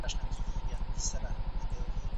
ایا ملي بڼوال جلغوزي ساتي؟